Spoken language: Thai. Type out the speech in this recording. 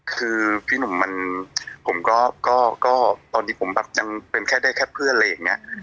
คือพี่หนุ่มมันผมก็ตอนนี้ผมแบบยังเป็นแค่ได้แค่เพื่อนอะไรอย่างนี้